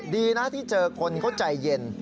ดีนะที่เจอคนเขาใจเย็น